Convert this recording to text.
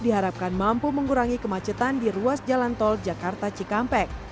diharapkan mampu mengurangi kemacetan di ruas jalan tol jakarta cikampek